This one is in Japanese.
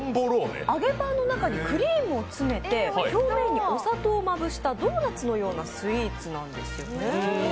揚げパンの中にクリームを詰めて表面にお砂糖をまぶしたドーナツのようなスイーツなんですよね。